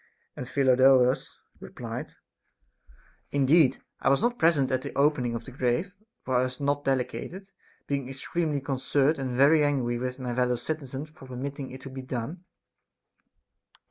And Phidolaus replied : Indeed I was not present at the opening of the grave, for I was not delegated, being extremely concerned and very angry with my fellow citizens for permitting it to be done.